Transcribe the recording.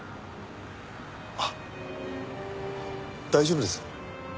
あっ大丈夫です？